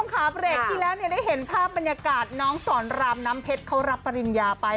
ค่ะเบรกที่แล้วได้เห็นภาพบรรยากาศน้องสอนรามน้ำเพชรเขารับปริญญาไป